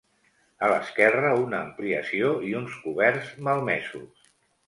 A l’esquerra una ampliació i uns coberts malmesos.